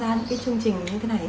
những cái chương trình như thế này